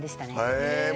へえ！